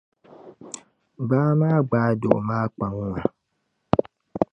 Baa maa gbaai doo maa kpaŋ maa.